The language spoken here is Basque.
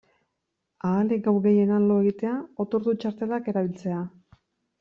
Ahalik gau gehien han lo egitea, otordu-txartelak erabiltzea...